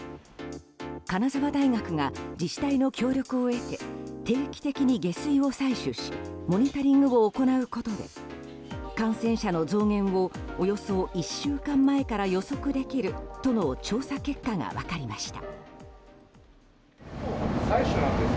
金沢大学が自治体の協力を得て定期的に下水を採取しモニタリングを行うことで感染者の増減をおよそ１週間前から予測できるとの調査結果が分かりました。